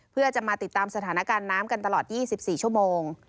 เพื่อจะมาติดตามสถานการณ์น้ำกันตลอด๒๔ชั่วโมง